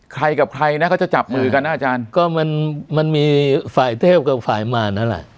ใครกับใครนะก็จะจับมือกันนะอาจารย์ก็มันมันมีฝ่ายเทพกับฝ่ายมารนั่นแหละ